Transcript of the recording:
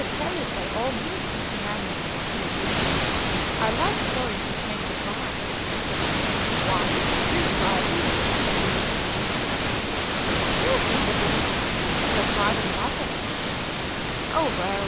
tell it, by all means, Mr. Manoel," exclaimed Lina; "I like stories which make you cry!" "What, do you cry, Lina?" said Benito. "Yes, Mr. Benito; but I cry when laughing." "Oh, well!